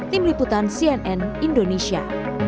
tim liputan cnn indonesia